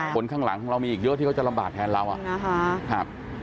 คนข้างหลังของเรามีอีกเยอะที่เขาจะลำบากแทนเราอ่ะนะคะ